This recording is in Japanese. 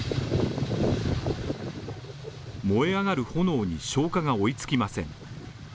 燃え上がる炎に消火が追いつきません。